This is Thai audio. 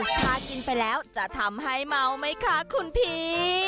ถ้ากินไปแล้วจะทำให้เมาไหมคะคุณพี่